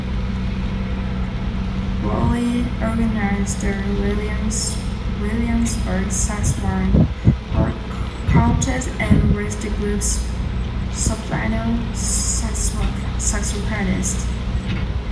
Worley organized the Williamsburg Saxophone Quartet and was the group's soprano saxophonist.